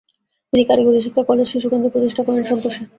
তিনি কারিগরী শিক্ষা কলেজ, শিশু কেন্দ্র প্রতিষ্ঠা করেন সন্তোষে।